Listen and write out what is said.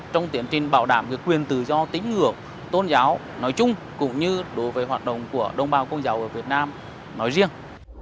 trong việc bảo đảm quyền tự do tín ngưỡng tôn giáo nói chung và quyền tự do tín ngưỡng tôn giáo nói riêng